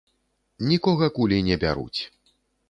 Нікога кулі не бяруць.